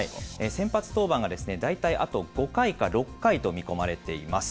先発登板が大体あと５回か６回と見込まれています。